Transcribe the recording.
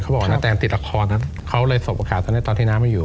เขาบอกว่านาแตนติดละครเขาเลยส่งประกาศให้ตอนที่น้ำไม่อยู่